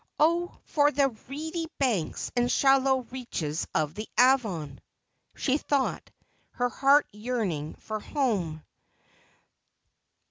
' Oh for the reedy banks and shallow reaches of the Avon !' she thought, her heart yearning for home.